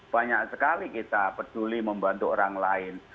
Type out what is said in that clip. sekali kali kita peduli membantu orang lain